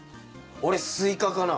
俺スイカかな。